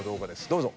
どうぞ。